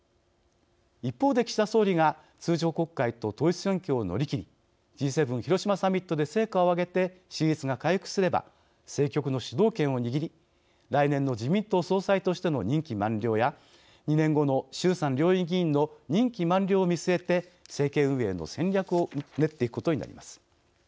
一方で、岸田総理が通常国会と統一選挙を乗り切り、Ｇ７広島サミットで成果を上げて支持率が回復すれば政局の主導権を握り来年の自民党総裁としての任期満了や２年後の衆参両院議員の任期満了を見据えて政権運営の戦略を練っていくことになります。